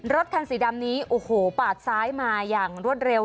รถคันสีดำนี้โอ้โหปาดซ้ายมาอย่างรวดเร็ว